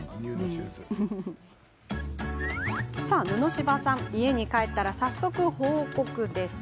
布柴さん、家に帰ったら早速、報告です。